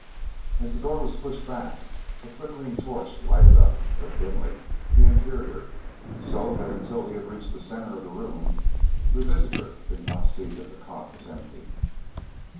As the door was pushed back, a flickering torch lighted up, but dimly, the interior, so that until he had reached the center of the room, the visitor did not see that the cot was empty.